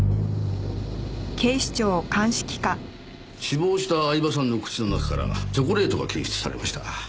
死亡した饗庭さんの口の中からチョコレートが検出されました。